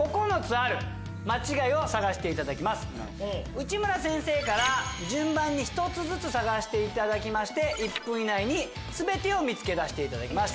内村先生から順番に１つずつ探していただきまして１分以内に全てを見つけ出していただきます。